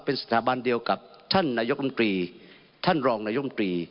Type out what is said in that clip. เป็นสถาบันเดียวกับท่านนายกรมตรีท่านรองนายมตรี